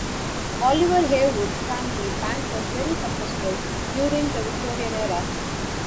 Oliver Heywood's family bank was very successful during the Victorian era.